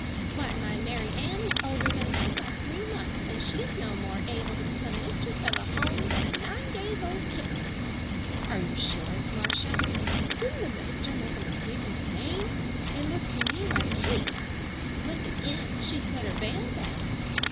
Why, my Mary Ann is older than that by three months, and she's no more able to become mistress of a home than a nine days old kitten. Are you sure it's Marcia? Didn't the minister make a mistake in the name? It looked to me like Kate. Look again. She's put her veil back.